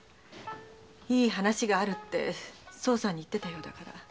いい話があるって惣さんに言ってたようだから。